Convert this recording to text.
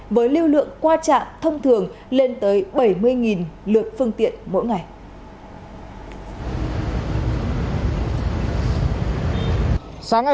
với lưu lượng qua trạm thông thường lên tới bảy mươi lượt phương tiện mỗi ngày